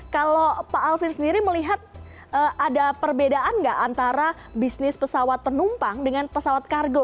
kalau pak alvin sendiri melihat ada perbedaan nggak antara bisnis pesawat penumpang dengan pesawat kargo